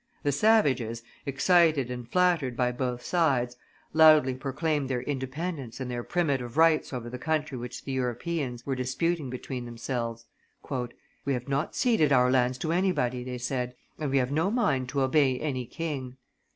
The savages, excited and flattered by both sides, loudly proclaimed their independence and their primitive rights over the country which the Europeans were disputing between themselves. "We have not ceded our lands to anybody," they said; "and we have no mind to obey any king."